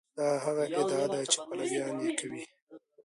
دا هغه ادعا ده چې پلویان یې کوي.